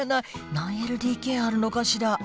何ＬＤＫあるのかしら？